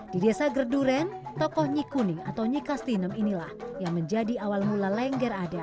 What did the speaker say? di desa gerduren tokoh nyikuning atau nyikastinem inilah yang menjadi awal mula lengger ada